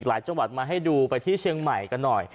จังหวัดมาให้ดูไปที่เชียงใหม่กันหน่อย